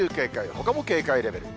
ほかも警戒レベル。